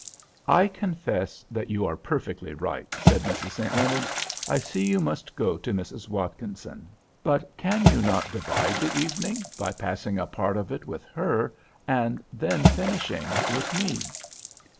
"I confess that you are perfectly right," said Mrs. St. Leonard. "I see you must go to Mrs. Watkinson. But can you not divide the evening, by passing a part of it with her and then finishing with me?"